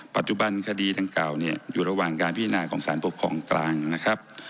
ปัจจุบันคดีดังกล่าวเนี่ยอยู่ระหว่างการพิจารณาของสารปกครองกลางนะครับ